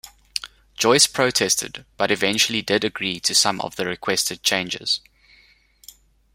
Joyce protested, but eventually did agree to some of the requested changes.